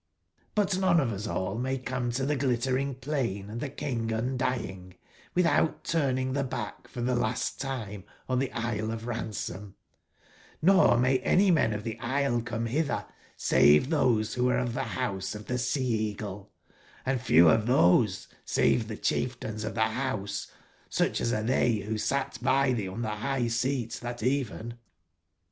But none of us all may come to tbe Glittering plain and tbe King Qndying witb out turning tbe back for tbe last time on tbe Xsle of Ransom: nor may any men of tbe Xsle come bitber save tbose wbo are of tbe House of tbe Sea/eagle, and few of tbose, save tbe cbief tains of tbe House sucb as are tbey wbo sat by tbee on tbe bigb/seat tbat even.